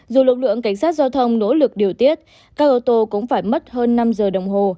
dù lực lượng cảnh sát giao thông nỗ lực điều tiết các ô tô cũng phải mất hơn năm giờ đồng hồ